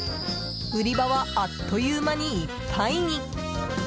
売り場はあっという間にいっぱいに！